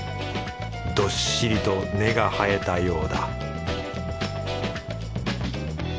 どっしりと根が生えたようだ